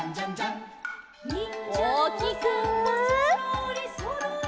「そろーりそろり」